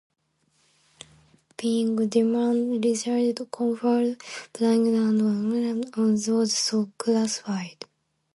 Being deemed residents conferred privileges and obligations on those so classified.